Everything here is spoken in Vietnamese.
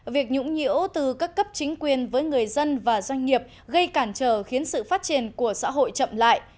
việc nhũng nhiễu từ các cấp chính quyền với người dân và doanh nghiệp gây cản trở khiến sự phát triển của xã hội chậm lại